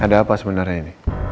ada apa sebenarnya ini